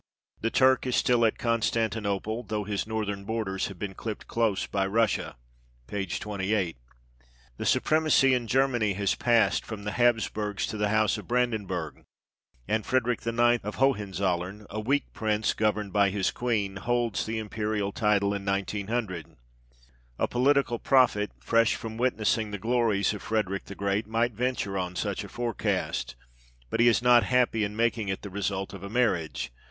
The Turk is still at Constantinople, though his northern borders have been clipped close by Russia (p. 28). The supremacy in Germany has passed from the Hapsburgs to the house of Brandenburg, and Frederick IX. of Hohenzollern, " a weak Prince, governed by his Queen," holds the Imperial title in 1900. A political prophet, fresh from witnessing the glories of Frederick the Great, might venture on such a forecast ; but he is not happy in making it the result of a marriage THE EDITOR'S PREFACE.